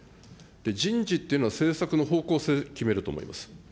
人事っていうのは政策の方向性を決めると思います。